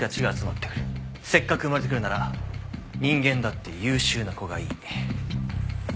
せっかく生まれてくるなら人間だって優秀な子がいい。